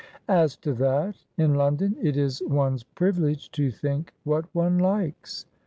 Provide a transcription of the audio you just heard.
"As to that, in London it is one's privilege to think what one likes.